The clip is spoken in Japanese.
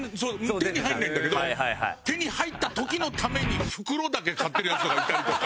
手に入んないんだけど手に入った時のために袋だけ買ってるヤツとかいたりとか。